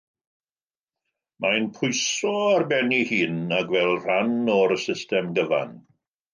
Mae'n pwyso ar ben ei hun, ac fel rhan o'r system gyfan.